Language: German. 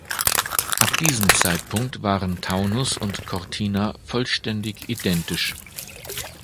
Ab diesem Zeitpunkt waren Taunus und Cortina vollständig identisch.